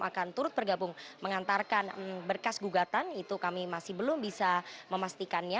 akan turut bergabung mengantarkan berkas gugatan itu kami masih belum bisa memastikannya